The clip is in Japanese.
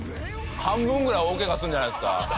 半分ぐらい大けがするんじゃないですか？